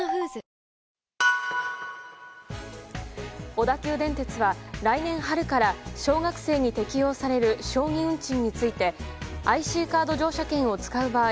小田急電鉄は来年春から小学生に適用される小児運賃についてＩＣカード乗車券を使う場合